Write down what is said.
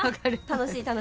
楽しい。